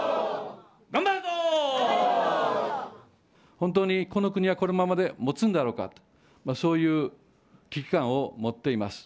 本当にこの国はこのままでもつんだろうかと、そういう危機感を持っています。